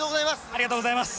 ありがとうございます。